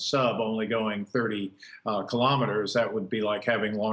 saya menganggap ini sebuah kegagalan